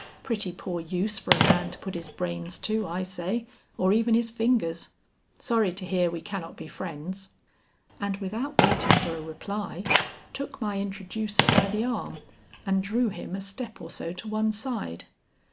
Pretty poor use for a man to put his brains to, I say, or even his fingers. Sorry to hear we cannot be friends." And without waiting for a reply, took my introducer by the arm and drew him a step or so to one side.